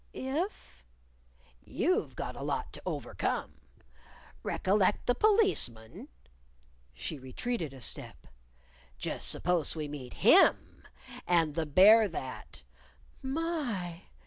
_" "If?" "You've got a lot to overcome. Recollect the Policeman?" She retreated a step. "Just suppose we meet him! And the Bear that " "My!"